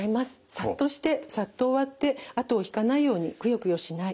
さっとしてさっと終わってあとを引かないようにクヨクヨしない。